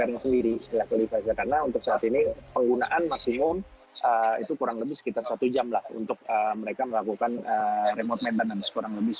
karena untuk saat ini penggunaan maximum itu kurang lebih sekitar satu jam untuk mereka melakukan remote maintenance